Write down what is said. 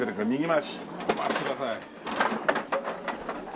回してください。